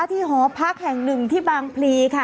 หอพักแห่งหนึ่งที่บางพลีค่ะ